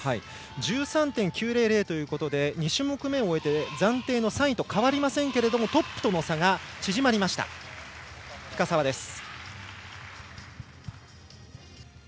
１３．９００ということで２種目めを終えて暫定３位と変わりませんがトップとの差が縮まりました深沢です。